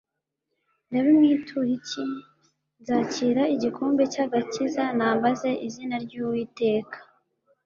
ndabimwitura iki? nzakira igikombe cy’agakiza, nambaze izina ry’uwiteka